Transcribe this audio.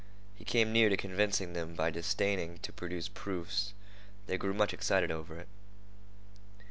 He came near to convincing them by disdaining to produce proofs. They grew much excited over it.